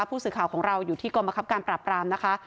ผู้สื่อข่าวของเราอยู่ที่กรมคับการปราบรามนะคะ